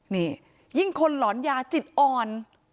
นี่ยิ่งคนหลอนยาจิตอ่อน